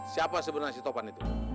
siapa sebenarnya si topan itu